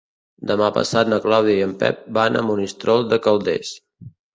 Demà passat na Clàudia i en Pep van a Monistrol de Calders.